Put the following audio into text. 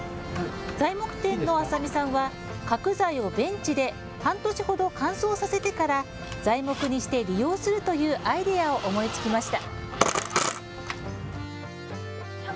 材木店の浅見さんは角材をベンチで半年ほど乾燥させてから材木にして利用するというアイデアを思いつきました。